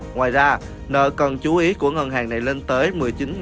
ngoài ra nợ cần chú ý của ngân hàng này lên tới một mươi chín bảy trăm bốn mươi năm tỷ đồng